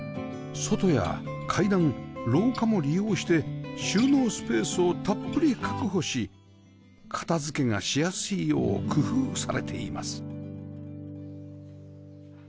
外や階段廊下も利用して収納スペースをたっぷり確保し片付けがしやすいよう工夫されています